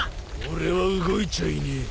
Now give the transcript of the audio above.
俺は動いちゃいねえ。